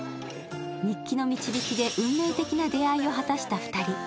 日記の導きで運命的な出会いを果たした２人。